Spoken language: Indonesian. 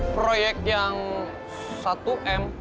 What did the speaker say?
proyek yang satu m